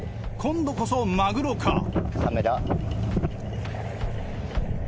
今度こそマグロか？